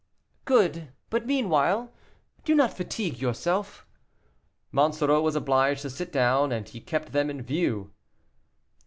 "Good; but meanwhile, do not fatigue yourself." Monsoreau was obliged to sit down, but he kept them in view.